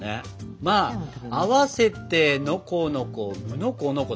「あわせてのこのこむのこのこ」